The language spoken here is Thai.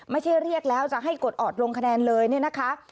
ไม่ใช่เรียกแล้วจะให้กดออดลงคะแนนเลยเนี่ยนะคะ